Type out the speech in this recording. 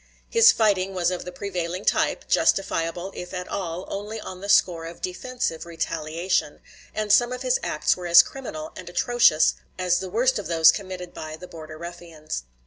His fighting was of the prevailing type, justifiable, if at all, only on the score of defensive retaliation, and some of his acts were as criminal and atrocious as the worst of those committed by the Border Ruffians.